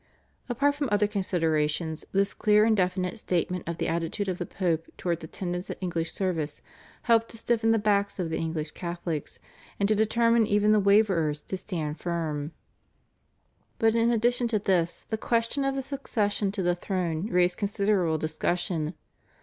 Apart from other considerations, this clear and definite statement of the attitude of the Pope towards attendance at the English service helped to stiffen the backs of the English Catholics, and to determine even the waverers to stand firm; but in addition to this the question of the succession to the throne raised considerable discussion.